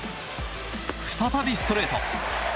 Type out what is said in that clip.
再びストレート！